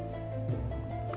titip satria ya